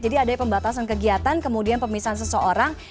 jadi ada pembatasan kegiatan kemudian pemisahan seseorang